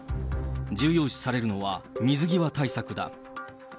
重要視されるのは水際対策だ。